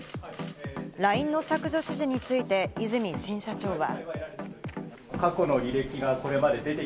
ＬＩＮＥの削除指示について和泉社長は。